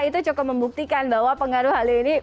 itu cukup membuktikan bahwa pengaruh hal ini